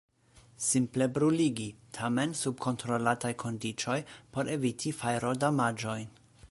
Simple bruligi – tamen sub kontrolataj kondiĉoj por eviti fajrodamaĝojn.